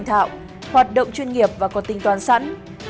hoạt động chuyên nghiệp và có tin toàn sẵn